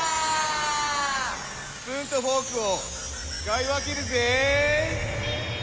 スプーンとフォークをつかいわけるぜ。